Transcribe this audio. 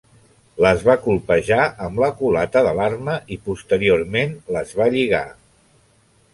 Les va colpejar amb la culata de l'arma i posteriorment les va lligar.